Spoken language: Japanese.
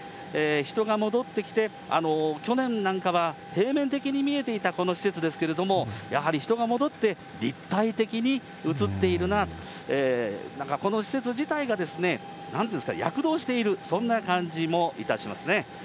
人が戻ってきて、去年なんかは、平面的に見えていたこの施設ですけれども、やはり人が戻って、立体的に映っているなと、なんかこの施設自体が、なんというんですか、躍動してる、そんな感じもいたしますね。